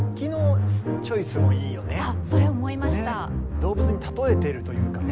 動物に例えてるというかね。